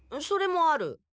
それもある。